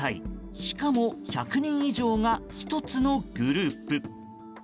しかも１００人以上が１つのグループ。